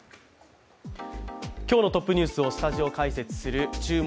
今日のトップニュースをスタジオ解説する「注目！